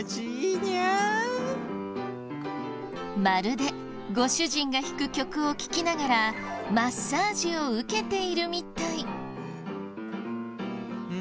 まるでご主人が弾く曲を聴きながらマッサージを受けているみたい。